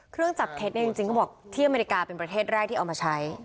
เครื่องจับเท็จเนี่ยจริงเขาบอกที่อเมริกาเป็นประเทศแรกที่เอามาใช้